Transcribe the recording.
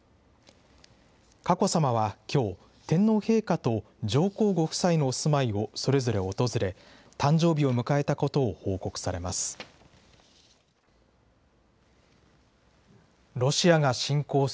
佳子さまはきょう、天皇陛下と上皇ご夫妻のお住まいをそれぞれ訪れ、誕生日を迎えたことを報告されます。